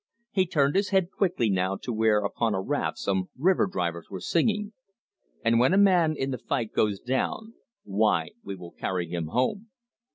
He turned his head quickly now to where upon a raft some river drivers were singing: "And when a man in the fight goes down, Why, we will carry him home!"